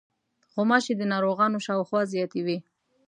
غوماشې د ناروغانو شاوخوا زیاتې وي.